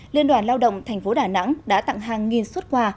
liên đoàn lao động tp đà nẵng đã tặng hàng nghìn xuất quà